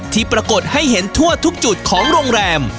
ที่ปรากฏให้เห็นทั่วทุกจุดของโรงแรม